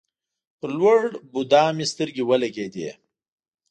په لوړ بودا مې سترګې ولګېدې.